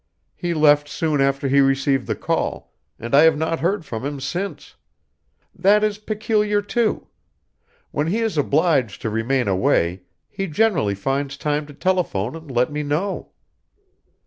He left soon after he received the call, and I have not heard from him since. That is peculiar, too. When he is obliged to remain away, he generally finds time to telephone and let me know."